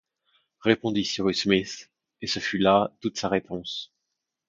répondit Cyrus Smith, et ce fut là toute sa réponse.